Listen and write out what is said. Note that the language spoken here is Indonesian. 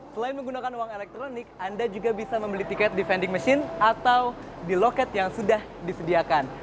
selain menggunakan uang elektronik anda juga bisa membeli tiket di vending machine atau di loket yang sudah disediakan